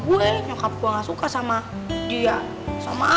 alhamdulillah nyokapnya ian gak suka sama gue nyokap gua gak suka sama dia